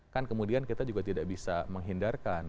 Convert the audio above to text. kan kemudian kita juga tidak bisa menghindarkan